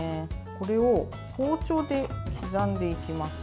これを包丁で刻んでいきます。